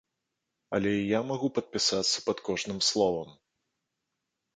Але і я магу падпісацца пад кожным словам.